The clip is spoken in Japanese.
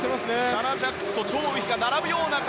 シャナ・ジャックとチョウ・ウヒが並ぶような形。